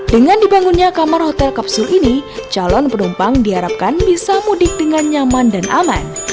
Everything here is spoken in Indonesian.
dengan dibangunnya kamar hotel kapsul ini calon penumpang diharapkan bisa mudik dengan nyaman dan aman